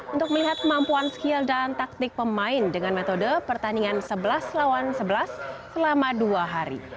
untuk melihat kemampuan skill dan taktik pemain dengan metode pertandingan sebelas lawan sebelas selama dua hari